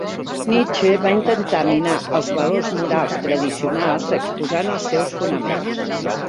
Nietzsche va intentar minar els valors morals tradicionals exposant els seus fonaments.